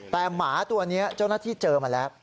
แต่หมาตัวนี้เจ้าหน้าที่เจอมาแล้ว